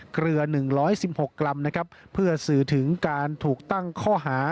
เกลือหนึ่งร้อยสิบหกกลำนะครับเพื่อสื่อถึงการถูกตั้งข้อหา